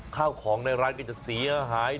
ข้าวของในร้านก็จะเสียหาย